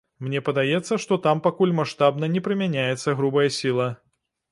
Мне падаецца, што там пакуль маштабна не прымяняецца грубая сіла.